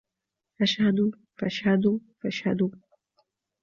فاشهدوا فاشهدوا فاشهدوا